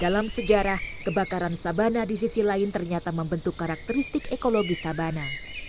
dalam sejarah kebakaran sabana di sisi lain ternyata membentuk karakteristik ekologi sabana